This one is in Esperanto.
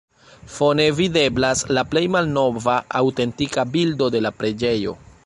Fone videblas la plej malnova aŭtentika bildo de la preĝejo.